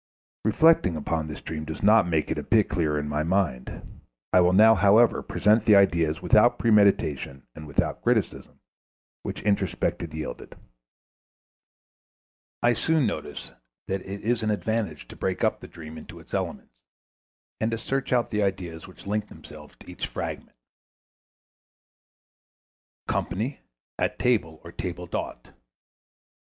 Reflecting upon this dream does not make it a bit clearer to my mind. I will now, however, present the ideas, without premeditation and without criticism, which introspection yielded. I soon notice that it is an advantage to break up the dream into its elements, and to search out the ideas which link themselves to each fragment. _Company; at table or table d'hôte.